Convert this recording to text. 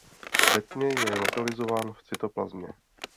Ve tmě je lokalizován v cytoplazmě.